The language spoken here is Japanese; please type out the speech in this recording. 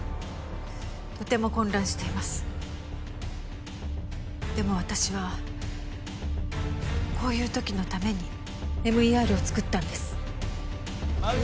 とても混乱していますでも私はこういう時のためにＭＥＲをつくったんですマルジ